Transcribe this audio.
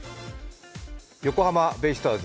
横浜ベイスターズ